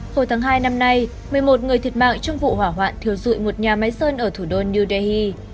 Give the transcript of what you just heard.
hồi tháng hai năm nay một mươi một người thiệt mạng trong vụ hỏa hoạn thiêu dụi một nhà máy sơn ở thủ đô new delhi